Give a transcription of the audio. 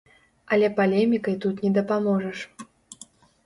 Але палемікай тут не дапаможаш.